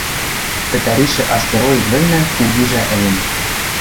Пӹтӓришӹ астероид вӹлнӹ кугижӓ ӹлен.